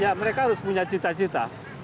ya mereka harus punya cita cita